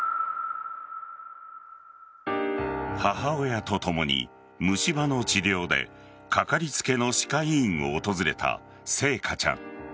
母親と共に虫歯の治療でかかりつけの歯科医院を訪れた星華ちゃん。